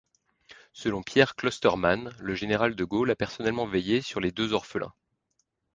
Selon Pierre Clostermann, le général de Gaulle a personnellement veillé sur les deux orphelins.